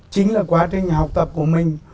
chính là quá trình học tập của mình